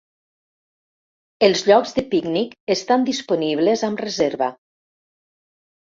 Els llocs de pícnic estan disponibles amb reserva.